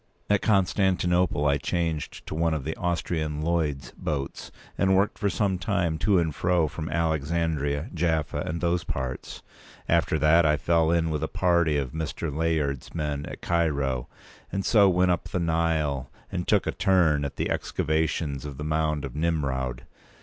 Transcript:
At Constantinople I changed to one of the Austrian Lloyd's boats, and worked for some time to and from Alexandria, Jaffa, and those parts. After that, I fell in with a party of Mr. Layard's men at Cairo, and so went up the Nile and took a turn at the excavations of the mound of Nimroud.